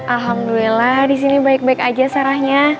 alhamdulillah disini baik baik aja sarahnya